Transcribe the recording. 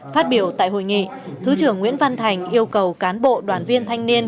phát biểu tại hội nghị thứ trưởng nguyễn văn thành yêu cầu cán bộ đoàn viên thanh niên